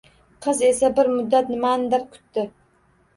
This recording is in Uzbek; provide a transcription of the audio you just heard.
Qiz esa bir muddat nimanidir kutdi.